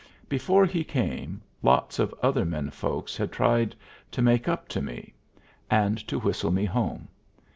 Before he came, lots of other men folks had tried to make up to me, and to whistle me home.